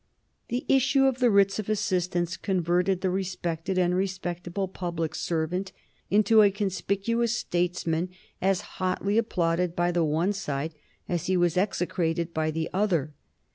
The issue of the Writs of Assistance converted the respected and respectable public servant into a conspicuous statesman as hotly applauded by the one side as he was execrated by the other.